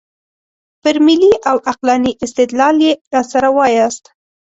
پر ملي او عقلاني استدلال یې راسره وایاست.